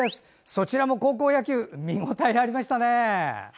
そちらも高校野球見応えありましたね。